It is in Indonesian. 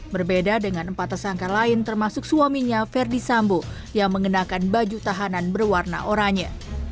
berbeda dengan empat tersangka lain termasuk suaminya verdi sambo yang mengenakan baju tahanan berwarna oranye